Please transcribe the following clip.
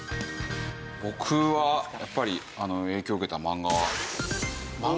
僕はやっぱり影響受けた漫画は。